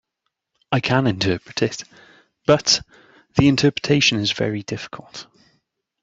I can interpret it, but the interpretation is very difficult.